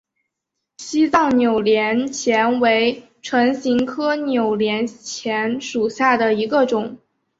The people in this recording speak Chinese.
西藏扭连钱为唇形科扭连钱属下的一个种。